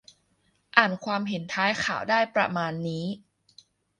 อ่านความเห็นท้ายข่าวได้ประมาณนี้